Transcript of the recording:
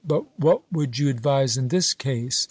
"but what would you advise in this case?